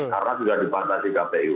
karena sudah dibantah tiga pu